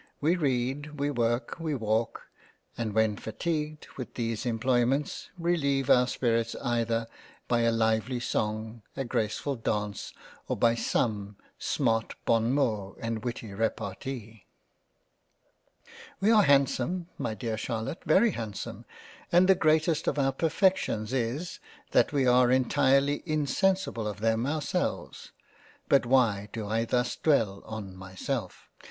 We read, we work, we walk, and when fatigued with these Employments releive our spirits, either by a lively song, a graceful Dance, or by some smart bon mot, and witty repartee. We are handsome my dear Charlotte, very handsome and the greatest of our Perfections is, that we are entirely insensible of them our selves. But why do I thus dwell on myself